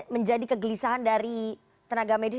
menjadi kegelisahan dari tenaga medis